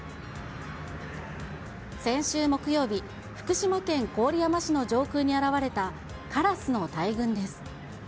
先週木曜日、福島県郡山市の上空に現れたカラスの大群です。